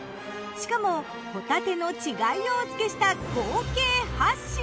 しかもほたての稚貝をお付けした合計８品。